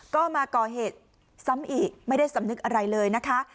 ก็มาก่อเหตุซ้ำอีกไม่ได้สำนึกอะไรเลยนะคะ